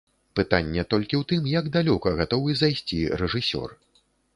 Пытанне толькі ў тым, як далёка гатовы зайсці рэжысёр.